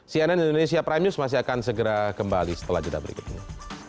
cnn indonesia prime news masih akan segera kembali setelah jadwal berikutnya